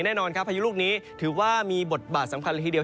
แน่นอนครับพายุลูกนี้ถือว่ามีบทบาทสำคัญละทีเดียว